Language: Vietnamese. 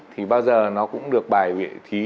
thì bao giờ nó cũng được bài vệ thí